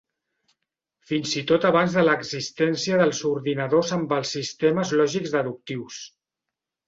Fins i tot abans de l'existència dels ordinadors amb els sistemes lògics deductius.